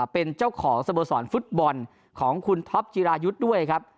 เป็นเจ้าของสโมสรฟุตบอลของคุณท็อปจิรายุทธ์ด้วยครับ